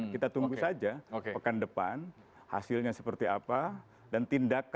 kita tunggu saja pekan depan hasilnya seperti apa dan tindakan